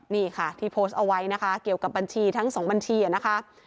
นี่ค่ะที่โพสต์เอาไว้นะคะเกี่ยวกับบัญชีทั้งสองบัญชีนะคะ